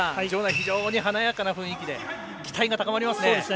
非常に華やかな雰囲気で期待が高まりますね。